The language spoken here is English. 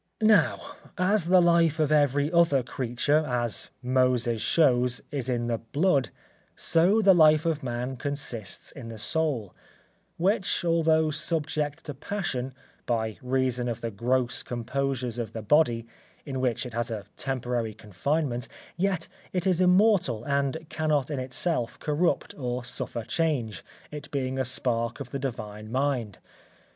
Now, as the life of every other creature, as Moses shows, is in the blood, so the life of man consists in the soul, which although subject to passion, by reason of the gross composures of the body, in which it has a temporary confinement, yet it is immortal and cannot in itself corrupt or suffer change, it being a spark of the Divine Mind.